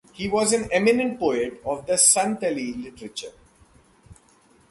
He was an eminent poet of the Santali literature.